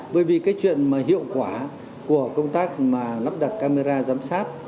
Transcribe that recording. bởi vì cái chuyện mà hiệu quả của công tác mà lắp đặt camera giám sát